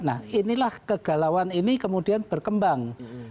nah inilah kegalauan ini kemudian berkembang